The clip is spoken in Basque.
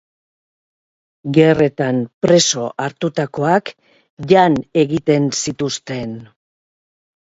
Gerretan preso hartutakoak jan egiten zituzten.